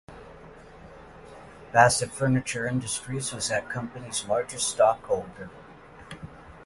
Bassett Furniture Industries was that company's largest stockholder.